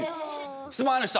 質問ある人。